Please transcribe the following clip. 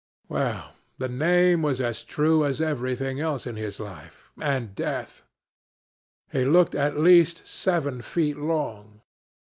Well, the name was as true as everything else in his life and death. He looked at least seven feet long.